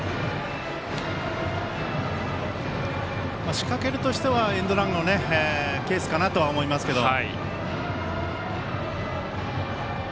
仕掛けるとしたらエンドランのケースかなとは思いますけども。